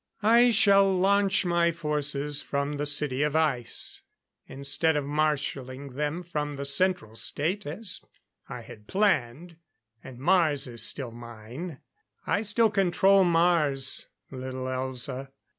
I shall launch my forces from the City of Ice, instead of marshalling them from the Central State as I had planned. And Mars is still mine. I still control Mars, little Elza....